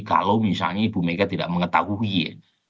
kalau misalnya ibu mega tidak mengetahui ya